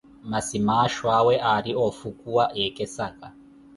Masi maaxho awe aari oofhukuwa, ekesaka.